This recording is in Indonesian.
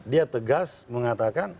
dia tegas mengatakan